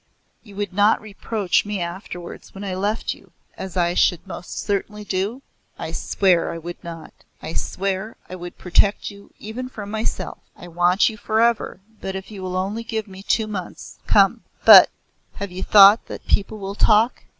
You would not reproach me afterwards when I left you, as I should most certainly do?" "I swear I would not. I swear I would protect you even from myself. I want you for ever, but if you will only give me two months come! But have you thought that people will talk.